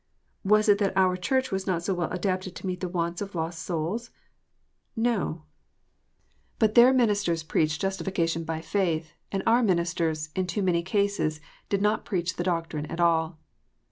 Was it that our Church was not so well adapted to meet the wants of lost souls? No. But their ministers preached THE FALLIBILITY OF MINISTERS. 381 justification by faith, and our ministers, in too many cases, did not preach the doctrine at all.